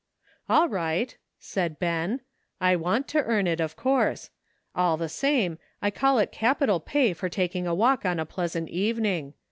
" All right," said Ben ; "I want to earn it, of course. All the same, I call it capital pay for taking a walk on a pleasant evening.